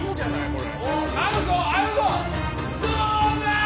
これ。